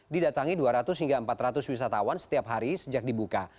didatangi dua ratus hingga empat ratus wisatawan setiap hari sejak dibuka